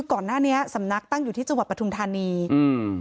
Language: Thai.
ก่อนหน้านี้สำนักตั้งอยู่ที่จังหวัดปทุมธานีอืม